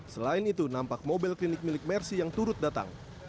selain itu nampak mobil klinik milik mersi yang turut datang